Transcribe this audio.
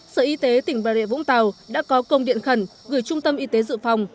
sở y tế tỉnh bà rịa vũng tàu đã có công điện khẩn gửi trung tâm y tế dự phòng